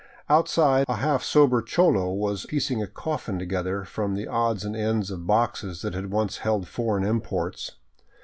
Outside, a half sober cholo was piecing a coffin together from the odds and ends of boxes that had once held foreign imports.